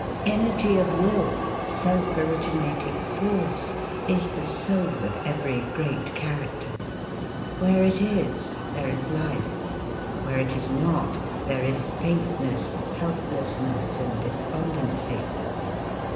Energy of will, self originating force, is the soul of every great character. Where it is, there is life; where it is not, there is faintness, helplessness, and despondency.